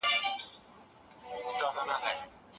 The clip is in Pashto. «خراسان» ته واوړي، نو په هيواد کي به څه بدلون راسي؟